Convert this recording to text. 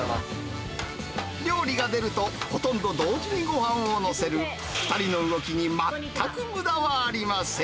料理が出ると、ほとんど同時にごはんを載せる、２人の動きに全くむだはありません。